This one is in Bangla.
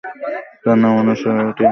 তার নামানুসারেই এটির নামকরণ করা হয়েছে।